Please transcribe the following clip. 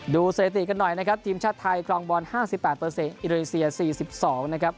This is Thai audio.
สถิติกันหน่อยนะครับทีมชาติไทยครองบอล๕๘อินโดนีเซีย๔๒นะครับ